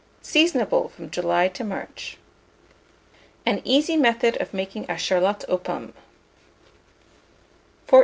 Seasonable from July to March. AN EASY METHOD OF MAKING A CHARLOTTE AUX POMMES.